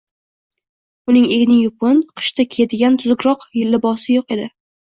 Uning egni yupun, qishda kiyadigan tuzukroq libosi yo‘q edi...